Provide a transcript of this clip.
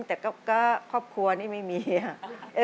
แต่ก็ครอบครัวนี่ไม่มีค่ะ